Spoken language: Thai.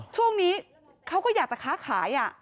ช่วงนี้เขาก็อยากจะค้าขาย